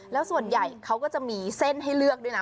แล้วส่วนใหญ่เขาก็จะมีเส้นให้เลือกด้วยนะ